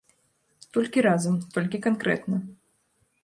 Толькі разам, толькі канкрэтна.